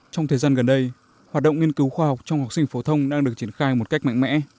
trong thời gian gần đây hoạt động nghiên cứu khoa học trong học sinh phổ thông đang được triển khai một cách mạnh mẽ